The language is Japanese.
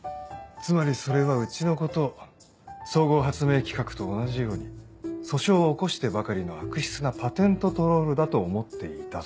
つまりそれはうちのことを総合発明企画と同じように訴訟を起こしてばかりの悪質なパテントトロールだと思っていたと？